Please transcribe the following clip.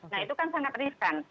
nah itu kan sangat riskan